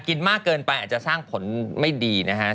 มากเกินไปอาจจะสร้างผลไม่ดีนะฮะ